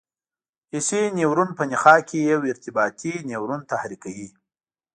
حسي نیورون په نخاع کې یو ارتباطي نیورون تحریکوي.